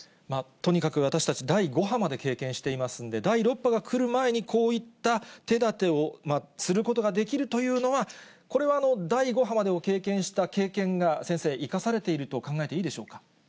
とにかく私たち、第５波まで経験していますので、第６波が来る前に、こういった手だてをすることができるというのは、これは第５波までを経験した経験が先生、生かされていると考えていいでしょうか。